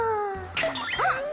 あっ！